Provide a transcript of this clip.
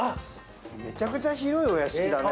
めちゃくちゃ広いお屋敷だね。